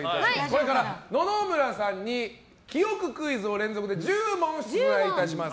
これから野々村さんに記憶クイズを連続で１０問出題いたします。